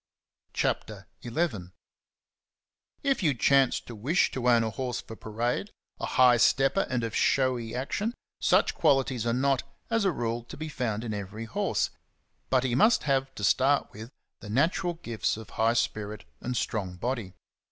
CHAPTER XL IF you chance to wish to own a horse for parade, ss a high stepper and of showy action, such quahties are not, as a rule, to be found in every horse, but he must have, to start with, the natural gifts of high spirit and strong body.